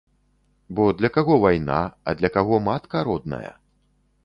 Бо для каго вайна, а для каго матка родная.